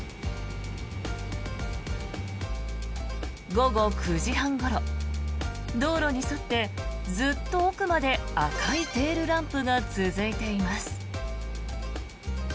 午後９時半ごろ道路に沿って、ずっと奥まで赤いテールランプが続いています。